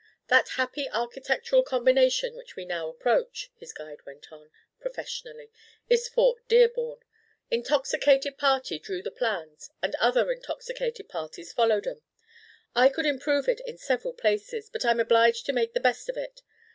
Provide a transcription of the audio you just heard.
"That happy architectural combination which we now approach," his guide went on, professionally, "is Fort Dearborn. Intoxicated party drew the plans and other intoxicated parties followed 'em. I could improve it in several places, but I'm obliged to make the best of it.